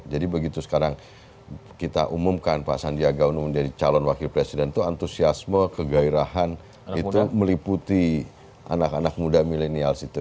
jadi begitu sekarang kita umumkan pak sandiaga unumun jadi calon wakil presiden itu antusiasme kegairahan itu meliputi anak anak muda milenial itu